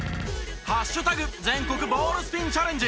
全国ボールスピンチャレンジ。